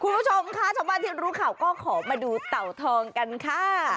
คุณผู้ชมค่ะเช้าบ้านที่ภาษาอาทิตย์รู้ข่าวก็ขอมาดูเต่าทองกันค่ะ